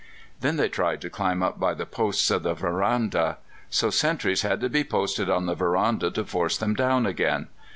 Then they tried to climb up by the posts of the veranda. So sentries had to be posted on the veranda to force them down again.